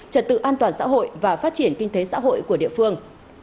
trật tự an toàn xã hội và phát triển kinh tế xã hội của địa phương